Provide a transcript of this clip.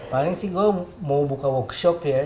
paling sih gue mau buka workshop ya